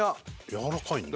やわらかいんだ。